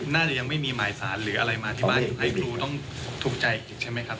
น่าจะยังไม่มีหมายสารหรืออะไรมาที่บ้านทำให้ครูต้องถูกใจอีกใช่ไหมครับ